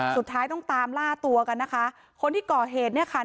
สุดท้ายต้องตามล่าตัวกันนะคะคนที่ก่อเหตุเนี่ยค่ะ